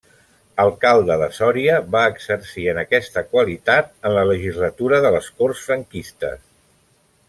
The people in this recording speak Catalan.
Alcalde de Sòria, va exercir en aquesta qualitat en la legislatura de les Corts franquistes.